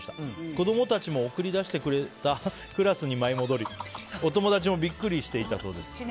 子供たちも送り出してくれたクラスに舞い戻りお友達もビックリしていたそうです。